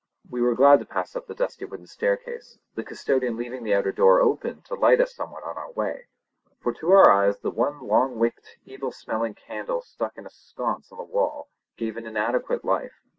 We were glad to pass up the dusty wooden staircase, the custodian leaving the outer door open to light us somewhat on our way; for to our eyes the one long wick'd, evil smelling candle stuck in a sconce on the wall gave an inadequate light.